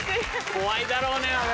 怖いだろうねあれ。